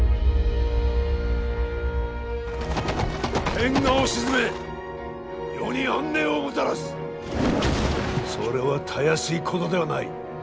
天下を鎮め世に安寧をもたらすそれはたやすいことではない。